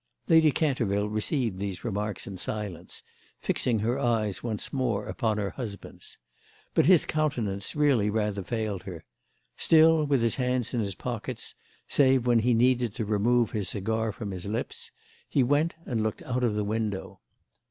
Lady Canterville received these remarks in silence, fixing her eyes once more upon her husband's. But his countenance really rather failed her; still with his hands in his pockets, save when he needed to remove his cigar from his lips, he went and looked out of the window.